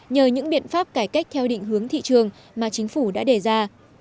nhờ những biện pháp cải cách theo định hướng thị trường mà chính phủ đã đề ra